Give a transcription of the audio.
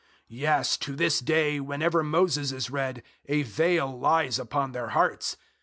003:015 Yes, to this day, whenever Moses is read, a veil lies upon their hearts.